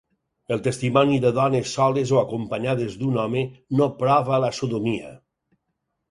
El testimoni de dones soles o acompanyades d'un home no prova la sodomia.